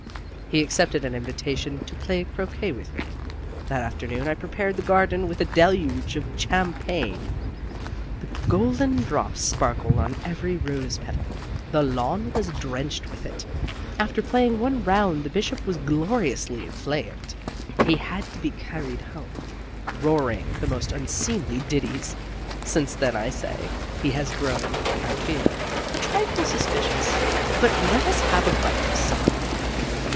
He accepted an invitation to play croquet with me. That afternoon I prepared the garden with a deluge of champagne. The golden drops sparkled on every rose petal: the lawn was drenched with it. After playing one round the Bishop was gloriously inflamed. He had to be carried home, roaring the most unseemly ditties. Since then, as I say, he has grown (I fear) a trifle suspicious. But let us have a bite of supper."